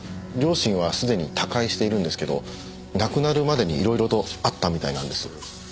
両親はすでに他界しているんですけど亡くなるまでにいろいろとあったみたいなんです。